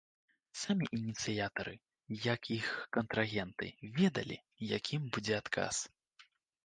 Самі ініцыятары, як і іх контрагенты, ведалі, якім будзе адказ.